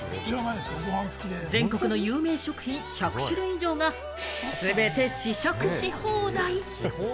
全国の有名食品１００種類以上が全て試食し放題。